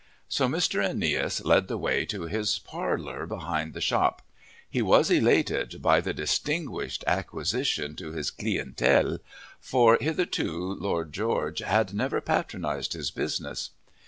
So Mr. Aeneas led the way to his parlour behind the shop. He was elated by the distinguished acquisition to his clientèle, for hitherto Lord George had never patronized his business.